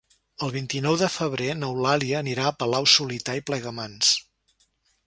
El vint-i-nou de febrer n'Eulàlia anirà a Palau-solità i Plegamans.